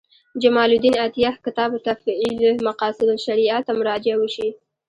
جمال الدین عطیه کتاب تفعیل مقاصد الشریعة ته مراجعه وشي.